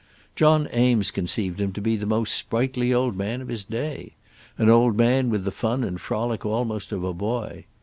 John Eames conceived him to be the most sprightly old man of his day, an old man with the fun and frolic almost of a boy.